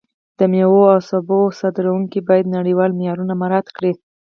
د میوو او سبو صادروونکي باید نړیوال معیارونه مراعت کړي.